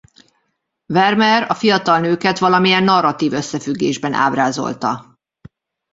Vermeer a fiatal nőket valamilyen narratív összefüggésben ábrázolta.